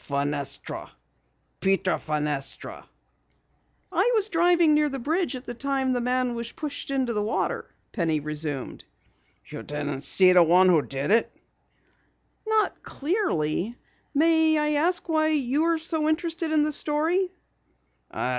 "Fenestra. Peter Fenestra." "I was driving near the bridge at the time the man was pushed into the water," Penny resumed. "You didn't see the one who did it?" "Not clearly. May I ask why you are so interested in the story?"